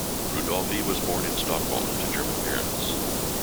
Rudolphi was born in Stockholm to German parents.